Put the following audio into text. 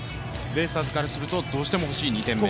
ベイスターズからするとどうしてもほしい２点目。